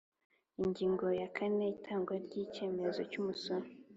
Ingingo ya kane Itangwa ry icyemezo cy umusoro